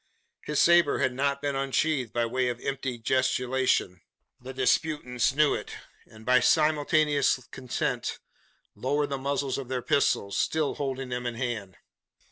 His sabre had not been unsheathed by way of empty gesticulation. The disputants knew it; and by simultaneous consent lowered the muzzles of their pistols still holding them in hand.